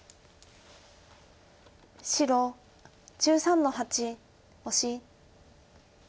白１３の八オシ。